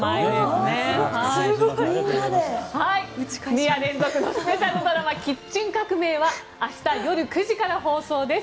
２夜連続スペシャルドラマ「キッチン革命」は明日夜９時から放送です。